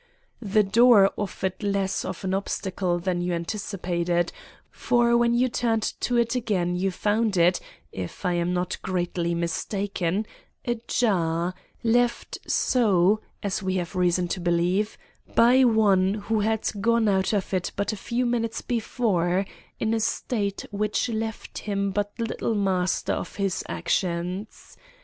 The door offered less of an obstacle than you anticipated; for when you turned to it again you found it, if I am not greatly mistaken, ajar, left so, as we have reason to believe, by one who had gone out of it but a few minutes before in a state which left him but little master of his actions.